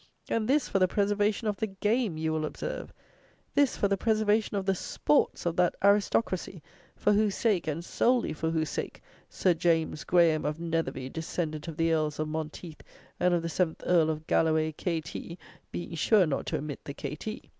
And this for the preservation of the game, you will observe! This for the preservation of the sports of that aristocracy for whose sake, and solely for whose sake, "Sir James Graham, of Netherby, descendant of the Earls of Monteith and of the seventh Earl of Galloway, K.T." (being sure not to omit the K.T.)